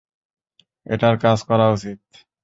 এটার কাজ করা উচিত।